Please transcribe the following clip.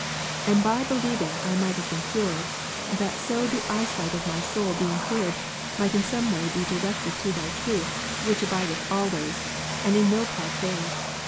And by believing might I have been cured, that so the eye sight of my soul being cleared, might in some way be directed to Thy truth, which abideth always, and in no part faileth.